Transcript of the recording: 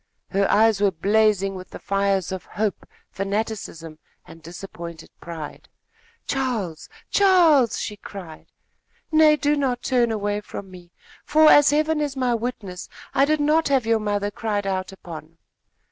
Her eyes were blazing with the fires of hope, fanaticism and disappointed pride. "Charles! Charles!" she cried. "Nay, do not turn away from me, for, as Heaven is my witness, I did not have your mother cried out upon!"